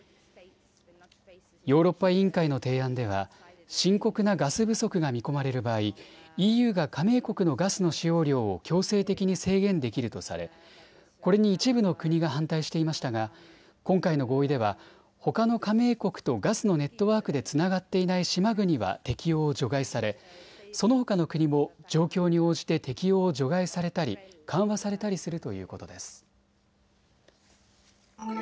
ヨーロッパ委員会の提案では深刻なガス不足が見込まれる場合、ＥＵが加盟国のガスの使用量を強制的に制限できるとされこれに一部の国が反対していましたが今回の合意ではほかの加盟国とガスのネットワークでつながっていない島国は適用を除外され、そのほかの国も状況に応じて適用を除外されたり緩和されたりするということです。